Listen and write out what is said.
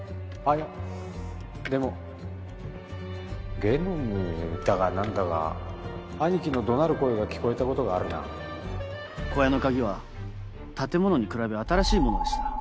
いやでも「ゲノム」だか何だか兄貴の怒鳴る声が聞こえたことがあるな小屋の鍵は建物に比べ新しいものでした。